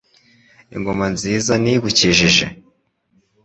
Ingoma nziza ni igukijije ;